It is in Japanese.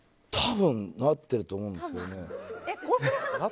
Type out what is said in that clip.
多分、なってると思うんですけどね。